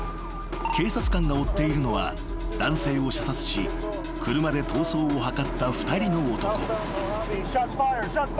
［警察官が追っているのは男性を射殺し車で逃走を図った２人の男］